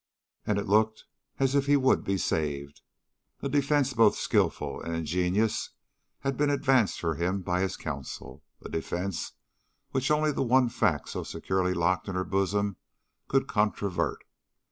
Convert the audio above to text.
"And it looked as if he would be saved. A defence both skilful and ingenious had been advanced for him by his counsel a defence which only the one fact so securely locked in her bosom could controvert.